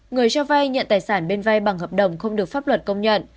người cho vay nhận tài sản bên vai bằng hợp đồng không được pháp luật công nhận